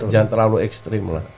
jangan terlalu ekstrim